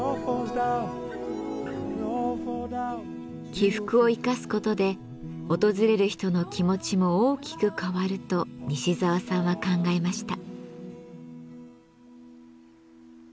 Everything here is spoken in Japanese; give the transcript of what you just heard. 起伏を生かすことで訪れる人の気持ちも大きく変わると西沢さんは考えました。